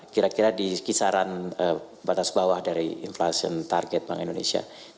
kira kira di kisaran batas bawah dari inflation target bank indonesia